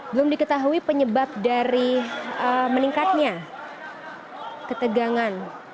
belum diketahui penyebab dari meningkatnya ketegangan